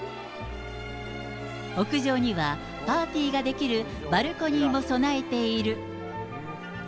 屋上には、パーティーができるバルコニーも備えている。